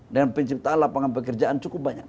dan pencipta lapangan pekerjaan cukup banyak